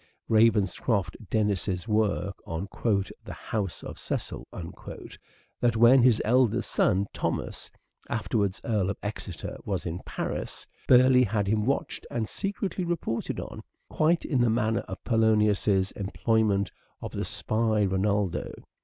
Ravenscroft Dennis's work on " The House of Cecil," that when his eldest son, Thomas, afterwards Earl of Exeter, was in Paris, Burleigh had him watched and secretly reported on, quite in the manner of Polonius's employment of the spy Reynaldo.